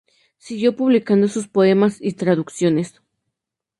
Siguió publicando sus poemas y traducciones.